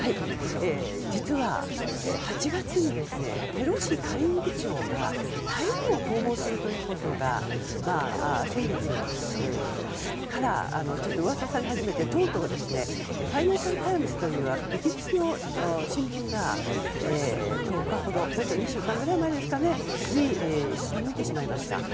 実は、８月にペロシ下院議長が台湾を訪問するということが先月から噂され始めてとうとうフィナンシャル・タイムズというイギリスの新聞が２週間前くらいですかねすっぱ抜いてしまいました。